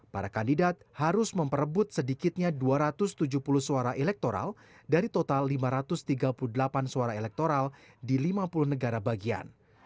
para kandidat harus memperebut sedikitnya dua ratus tujuh puluh suara elektoral dari total lima ratus tiga puluh delapan suara elektoral di lima puluh negara bagian